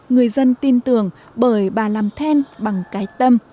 người dân tin tưởng bởi bà làm then bằng cái tâm